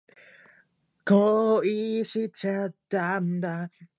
出店